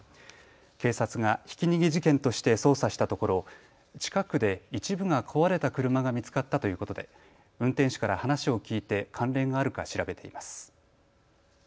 警察がひき逃げ事件として捜査したところ近くで一部が壊れた車が見つかったということで運転手から話を聞いて関連があるか調べています。